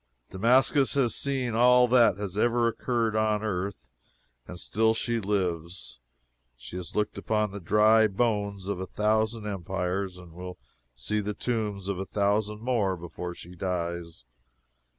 Damascus has seen all that has ever occurred on earth, and still she lives. She has looked upon the dry bones of a thousand empires, and will see the tombs of a thousand more before she dies.